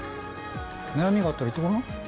悩みがあったら言ってごらん？